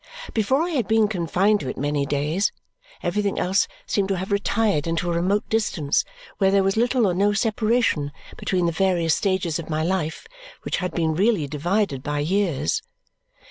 Before I had been confined to it many days, everything else seemed to have retired into a remote distance where there was little or no separation between the various stages of my life which had been really divided by years.